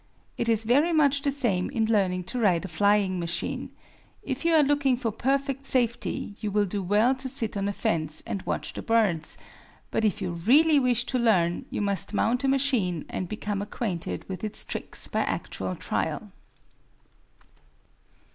It is very much the same in learning to ride a flying machine; if you are looking for perfect safety you will do well to sit on a fence and watch the birds; but if you really wish to learn you must mount a machine and become acquainted with its tricks by actual trial.